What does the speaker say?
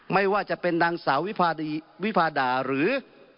ไม่ว่าจะเป็นนางสาววิพาดาหรือ